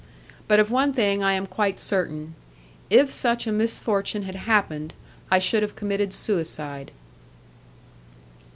But of one thing I am quite certain: if such a misfortune had happened, I should have committed suicide.